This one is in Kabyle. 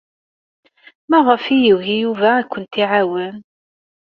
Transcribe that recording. Maɣef ay yugi Yuba ad kent-iɛawen?